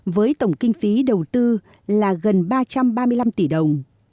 với tổng kinh phí đầu tư là gần ba trăm ba mươi năm tỷ đồng